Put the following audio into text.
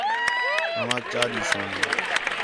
اوانک چا ݙیساں